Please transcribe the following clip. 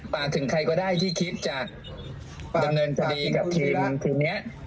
ถึงใครก็ได้ที่คิดจะดำเนินคดีกับทีมคืนนี้